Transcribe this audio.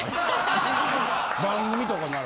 番組とかなら。